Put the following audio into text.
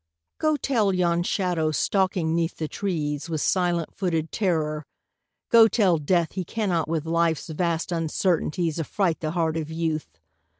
Go tell yon shadow stalking 'neath the trees With silent footed terror, go tell Death He cannot with Life's vast uncertainties Affright the heart of Youth